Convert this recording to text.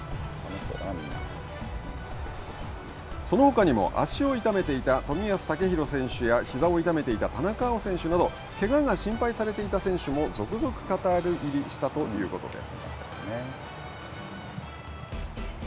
そのほかにも、足を痛めていた冨安健洋選手やひざを痛めていた田中碧選手など、けがが心配されていた選手も、続々カタール入りしたということです。